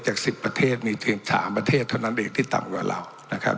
จาก๑๐ประเทศมีเพียง๓ประเทศเท่านั้นเองที่ต่ำกว่าเรานะครับ